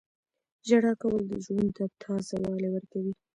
• ژړا کول د زړونو ته تازه والی ورکوي.